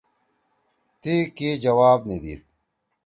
تی کی جواب نیدید